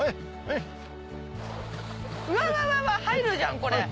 うわわ入るじゃんこれ。